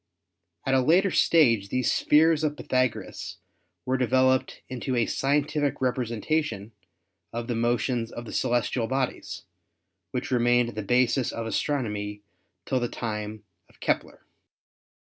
At a later stage these spheres of Pythagoras were devel oped into a scientific representation of the motions of the celestial bodies, which remained the basis of astronomy till the time of Kepler."